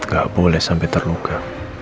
gak boleh sampai terluka